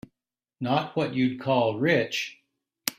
Not what you'd call rich.